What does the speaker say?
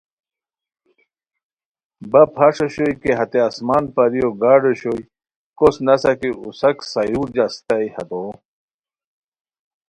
بپ ہݰ اوشوئے کی ہتے آسمان پریو گارڈ اوشوئے، کوس نسہ کی اوساک سایورج اسیتائے ہتو